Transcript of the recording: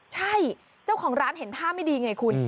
ใช่เจ้าของร้านเห็นท่าไม่ดีไงคุณ